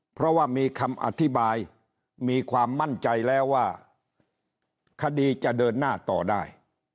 เพราะว่ามีคำอธิบายมีความมั่นใจแล้วว่าคดีจะเดินหน้าต่อได้